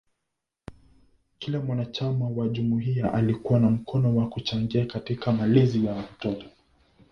Kila mwanachama wa jumuiya alikuwa na mkono kwa kuchangia katika malezi ya mtoto.